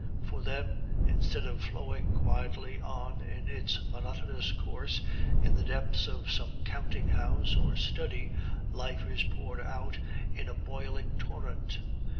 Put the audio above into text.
For them, instead of flowing quietly on in its monotonous course in the depths of some counting house or study, life is poured out in a boiling torrent.